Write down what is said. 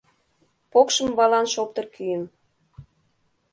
Покшым валан шоптыр кӱын.